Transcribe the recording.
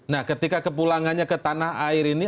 nah ketika kepulangannya ke tanah air ini